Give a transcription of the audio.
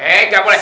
eh nggak boleh